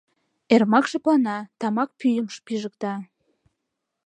Эрмак шыплана, тамак пӱйым пижыкта.